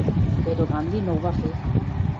Però Gandhi no ho va fer.